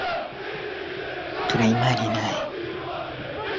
Wagiriki na Wayahudi wa hapo kale